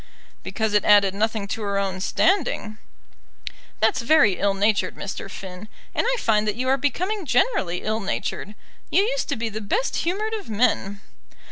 "Because it added nothing to her own standing." "That's very ill natured, Mr. Finn; and I find that you are becoming generally ill natured. You used to be the best humoured of men."